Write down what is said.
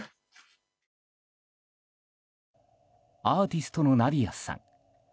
アーティストのナディヤさん。